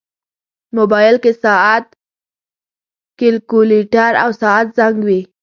موبایل کې ساعت، کیلکولیټر، او ساعت زنګ وي.